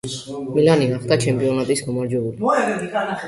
მილანი გახდა ჩემპიონატის გამარჯვებული.